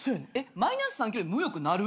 マイナス３ｋｇで無欲になる？